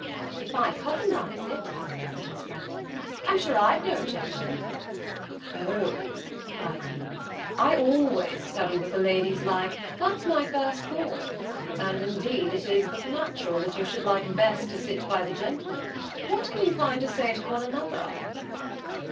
"If my cousin likes it," said Miss Branghton, "I'm sure I've no objection." "O," cried he, "I always study what the ladies like, that's my first thought. And, indeed, it is but natural that you should like best to sit by the gentlemen, for what can you find to say to one another?"